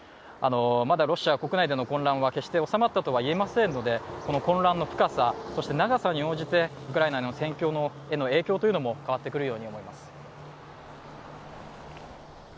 まだロシア国内での混乱は、決して収まったとはいえませんのでこの混乱の深さ、長さに応じてウクライナの戦況への影響も変わってくるように思えます。